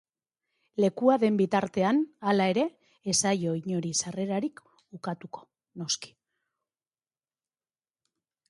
Lekua den bitartean, halere, ez zaio inori sarrerarik ukatuko, noski.